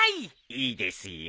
いいですよ。